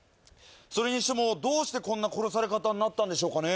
それにしてもどうしてこんな殺され方になったんでしょうかね